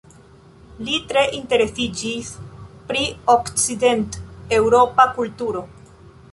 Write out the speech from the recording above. Li tre interesiĝis pri okcident-eŭropa kulturo.